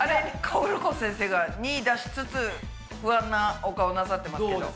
かおるこ先生が②出しつつ不安なお顔なさってますけど。